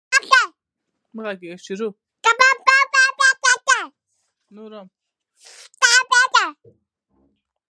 ازادي راډیو د ټرافیکي ستونزې په اړه رښتیني معلومات شریک کړي.